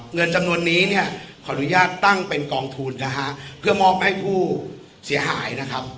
เงินจำนวนนี้ขออนุญาตตั้งเป็นกองทุนเพื่อมอบให้ผู้เสียหาย